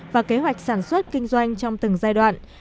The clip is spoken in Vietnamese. và kế hoạch sản xuất kinh doanh trong từng giai đoạn